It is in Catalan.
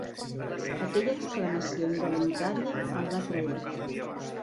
Aquella exclamació involuntària el va trair.